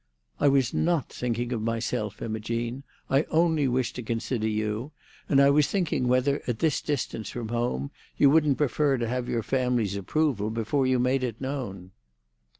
"I was not thinking of myself, Imogene. I only wish to consider you. And I was thinking whether, at this distance from home, you wouldn't prefer to have your family's approval before you made it known."